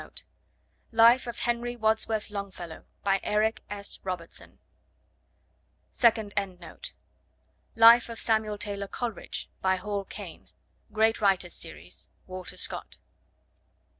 (1) Life of Henry Wadsworth Longfellow. By Eric S. Robertson. (2) Life of Samuel Taylor Coleridge. By Hall Caine. 'Great Writers' Series. (Walter Scott.)